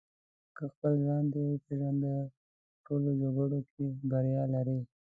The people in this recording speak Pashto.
که خپل ځان دې وپېژنده په ټولو جګړو کې بریا لرې.